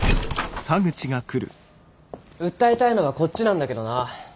訴えたいのはこっちなんだけどな。